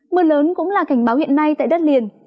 mưa lớn cũng là cảnh báo hiện nay tại đất liền